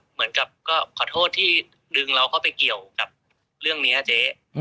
เหมือนกับก็ขอโทษที่ดึงเราเข้าไปเกี่ยวกับเรื่องนี้เจ๊